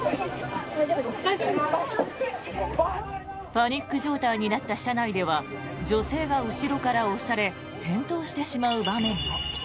パニック状態になった車内では女性が後ろから押され転倒してしまう場面も。